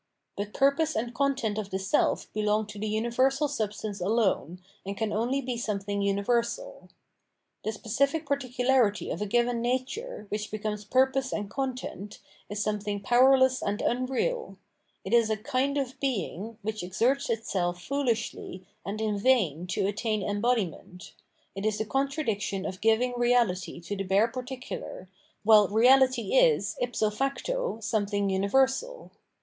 But purpose and content of the self belong to the universal substance alone, and can o^y be something universal. The specific particularity of * Paeon's phrase, '^Knowledge is power," 496 Phenomenology of Mind a given, nature, which becomes purpose and content, is something powerless and unreal: it is a "kind of being" which exerts itself foolishly and in vain to attain embodiment : it is the contradiction of giving reality to the bare particular, while reality is, ifso facto, something universal.